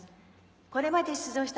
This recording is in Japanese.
これまで出場した